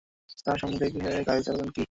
Sir, সামনে দেখে গাড়ি চালাবেন কি?